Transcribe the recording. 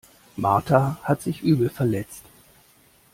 Martha hat sich übel verletzt.